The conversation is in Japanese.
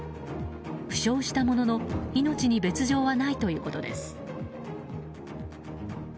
負傷したものの命に別条はないということです。